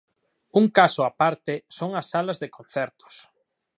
Un caso á parte son as salas de concertos.